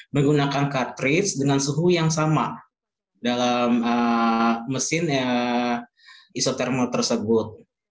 menggunakan cartridge dengan suhu yang sama dalam mesin isotermal tersebut